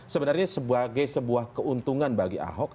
sebenarnya sebagai sebuah keuntungan bagi ahok